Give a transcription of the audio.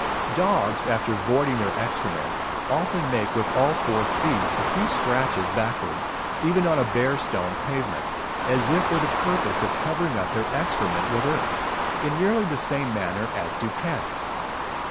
} Dogs after voiding their excrement often make with all four feet a few scratches backwards, even on a bare stone pavement, as if for the purpose of covering up their excrement with earth, in nearly the same manner as do cats.